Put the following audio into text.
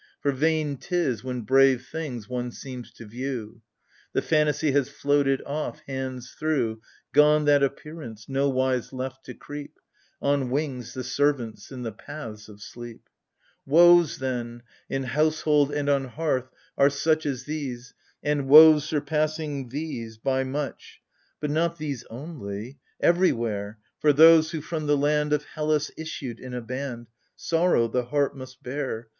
For vain 'tis, when brave things one seems to view ; The fantasy has floated off, hands through ; Gone, that appearance, —nowise left to creep, — On wings, the servants in the paths of sleep !" Woes, then, in household and on hearth, are such As these — and woes surpassing these by much. But not these only : everywhere — For those who from the land Of Hellas issued in a band. Sorrow, the heart must bear.